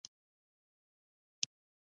څ�ه کولی شم د ماشومانو لپاره د قیامت کیسه وکړم